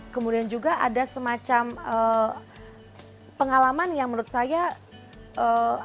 kemudian juga ada semacam pengalaman yang menurut saya akan lebih berharga ketika anak melihat secara langsung tadi